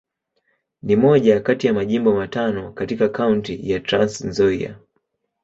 Ni moja kati ya Majimbo matano katika Kaunti ya Trans-Nzoia.